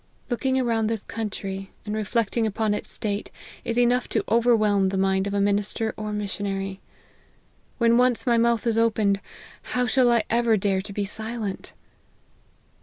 Looking around this country, and reflect ing upon its state, is enough to overwhelm the mind of a minister or missionary. When once my mouth is opened, how shall I ever dare to be silent?